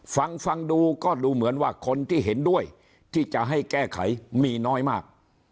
ฟังฟังดูก็ดูเหมือนว่าคนที่เห็นด้วยที่จะให้แก้ไขมีน้อยมาก